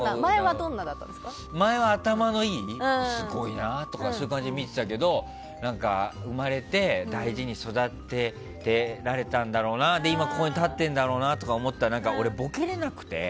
前は、頭のいいすごいなとかそういう感じで見ていたけど生まれて大事に育てられたんだろうなそれで今、ここに立ってるんだろうなと思ったら俺、ボケれなくて。